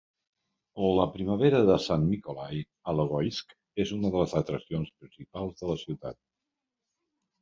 La primavera de Saint Nicholai a Logoisk és una de les atraccions principals de la ciutat.